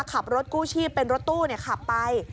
ขับรถกู้ชีพเป็นรถตู้ขับไป